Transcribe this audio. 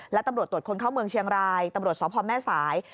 และตำรวจตรวจคนเข้าเมืองเชียงรายตำรวจสพแม่สาย